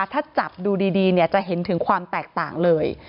ถ้าจับดูดีจะเห็นถึงความแตกต่างเลย